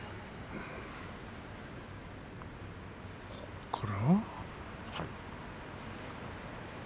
ここから。